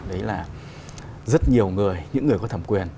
đấy là rất nhiều người những người có thẩm quyền